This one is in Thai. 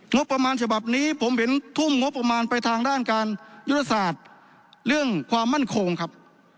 งบประมาณฉบับนี้ผมเห็นทุ่มงบประมาณไปทางด้านการยุทธศาสตร์เรื่องความมั่นคงครับ